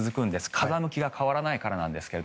風向きが変わらないからなんですが。